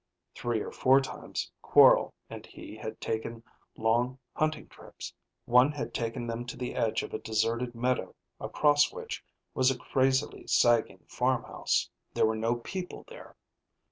(Three or four times Quorl and he had taken long hunting trips: one had taken them to the edge of a deserted meadow across which was a crazily sagging farmhouse. There were no people there.